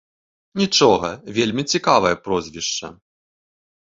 Нічога, вельмі цікавае прозвішча.